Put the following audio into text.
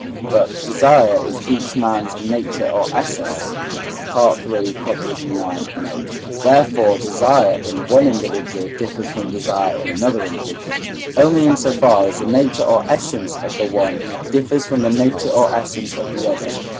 But desire is each man's nature or essence (III. ix. note); therefore desire in one individual differs from desire in another individual, only in so far as the nature or essence of the one differs from the nature or essence of the other.